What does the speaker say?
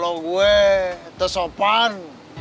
kalau gue tersopan